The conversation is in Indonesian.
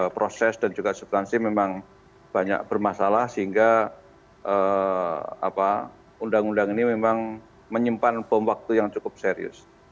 proses dan juga substansi memang banyak bermasalah sehingga undang undang ini memang menyimpan bom waktu yang cukup serius